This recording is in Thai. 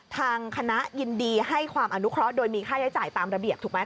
ทางคณะยินดีให้ความอนุเคราะห์โดยมีค่าใช้จ่ายตามระเบียบถูกไหม